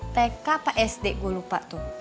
tk psd gue lupa tuh